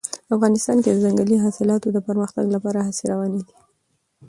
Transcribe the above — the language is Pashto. افغانستان کې د ځنګلي حاصلاتو د پرمختګ لپاره هڅې روانې دي.